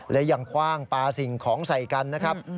และยังคว่างปลาสิ่งของใส่กันนะครับ